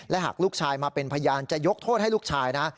หากลูกชายมาเป็นพยานจะยกโทษให้ลูกชายนะ